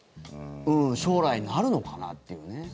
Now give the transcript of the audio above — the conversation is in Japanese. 将来、なるのかなっていうね。